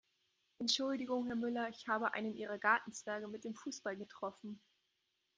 Entschuldigung Herr Müller, ich habe einen Ihrer Gartenzwerge mit dem Fußball getroffen.